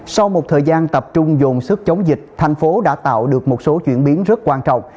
sau một thời gian tập trung dồn sức chống dịch thành phố đã tạo được một số chuyển biến rất quan trọng